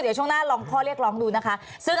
เดี๋ยวช่วงหน้าลองข้อเรียกร้องดูนะคะ